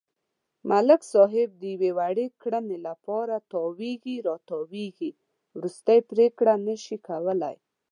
ملک صاحب د یوې وړې کړنې لپاره تاوېږي را تاووېږي، ورستۍ پرېکړه نشي کولای.